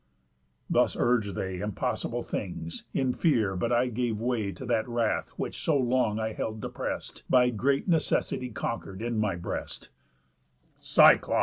Thus urg'd they Impossible things, in fear; but I gave way To that wrath which so long I held deprest, By great necessity conquer'd, in my breast: 'Cyclop!